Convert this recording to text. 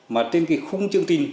mà trên cái khung chương trình